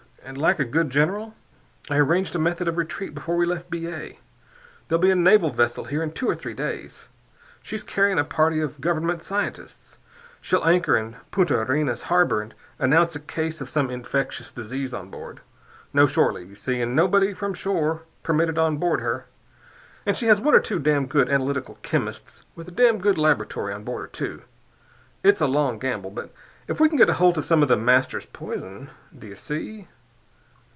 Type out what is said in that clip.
And like a good general, I arranged a method of retreat before we left B. A. There'll be a naval vessel here in two or three days. She's carrying a party of Government scientists. She'll anchor in Punta Arenas harbor and announce a case of some infectious disease on board. No shore leave, you see, and nobody from shore permitted on board her. And she has one or two damned good analytical chemists with a damned good laboratory on board her, too. It's a long gamble, but if we can get hold of some of The Master's poison.... Do you see?"